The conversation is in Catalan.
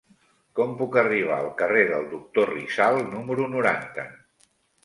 Com puc arribar al carrer del Doctor Rizal número noranta?